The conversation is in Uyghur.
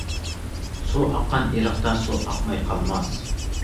سۇ ئاققان ئېرىقتا سۇ ئاقماي قالماس.